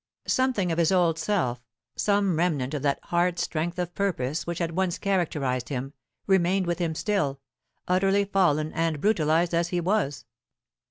Something of his old self, some remnant of that hard strength of purpose which had once characterized him, remained with him still, utterly fallen and brutalized as he was.